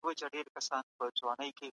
د غریبانو حق ادا کول د ایمان نښه ده.